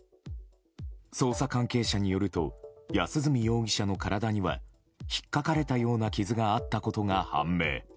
捜査関係者によると安栖容疑者の体にはひっかかれたような傷があったことが判明。